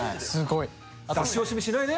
・すごい。